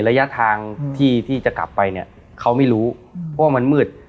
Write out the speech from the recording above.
ระยะทางที่ที่จะกลับไปเนี่ยเขาไม่รู้เพราะว่ามันมืด